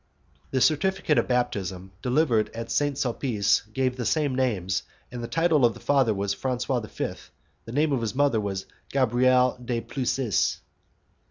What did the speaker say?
The certificate of baptism, delivered at St. Sulpice gave the same names, and the title of the father was Francois V. The name of the mother was Gabrielle du Plessis.